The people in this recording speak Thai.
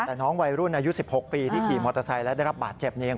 แต่น้องวัยรุ่นอายุ๑๖ปีที่ขี่มอเตอร์ไซค์และได้รับบาดเจ็บเอง